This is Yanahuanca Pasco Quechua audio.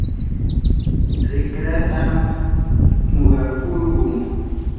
rikratam muqakurquu.